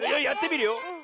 やってみるよ。